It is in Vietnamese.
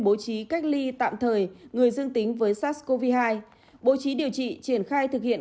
bố trí cách ly tạm thời người dương tính với sars cov hai bố trí điều trị triển khai thực hiện